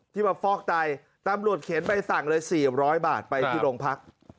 มาฟอกไตตำรวจเขียนใบสั่งเลย๔๐๐บาทไปที่โรงพัก